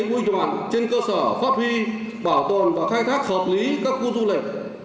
tính quy đoàn trên cơ sở pháp huy bảo tồn và khai thác hợp lý các khu du lịch